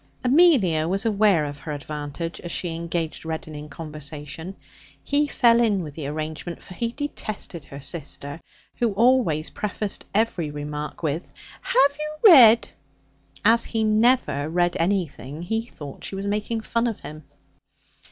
Amelia was aware of her advantage as she engaged Reddin in conversation. He fell in with the arrangement, for he detested her sister, who always prefaced every remark with 'Have you read ?' As he never read anything, he thought she was making fun of him.